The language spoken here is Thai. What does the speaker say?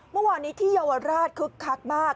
เมื่อวานนี้ที่เยาวราชคึกคักมาก